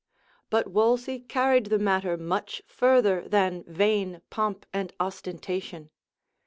But Wolsey carried the matter much further than vain pomp and ostentation.